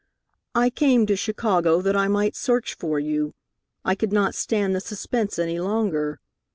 "I came to Chicago that I might search for you. I could not stand the suspense any longer.